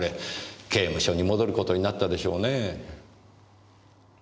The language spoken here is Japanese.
刑務所に戻ることになったでしょうねぇ。